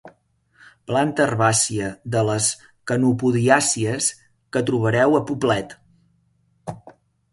Planta herbàcia de les quenopodiàcies que trobareu a Poblet.